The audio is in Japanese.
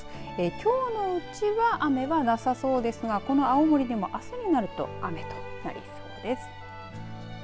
きょうのうちは雨はなさそうですがこの青森でもあすになると雨となりそうです。